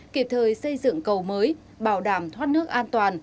kịp thời xây dựng cầu mới bảo đảm thoát nước an toàn